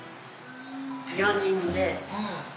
「４人で」